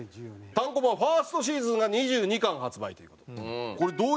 単行本ファーストシーズンが２２巻発売という事で。